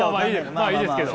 まあいいですけど。